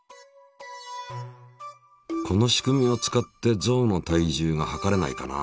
この仕組みを使って象の体重が量れないかな？